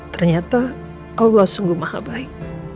ternyata allah sungguh maha baik